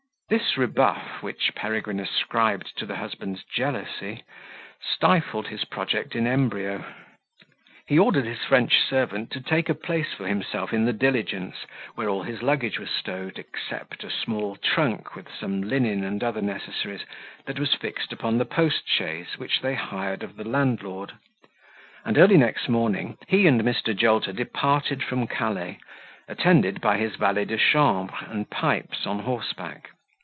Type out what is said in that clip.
This rebuff, which Peregrine ascribed to the husband's jealousy, stifled his project in embryo: he ordered his French servant to take a place for himself in the diligence, where all his luggage was stowed, except a small trunk, with some linen and other necessaries, that was fixed upon the post chaise which they hired of the landlord; and early next morning he and Mr. Jolter departed from Calais, attended by his valet de chambre and Pipes on horseback.